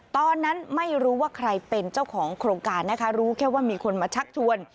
ตอนนั้นไม่รู้ว่าใครเป็นเจ้าของโครงการนะคะรู้แค่ว่ามีคนมาชักชวน